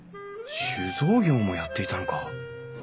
酒造業もやっていたのか！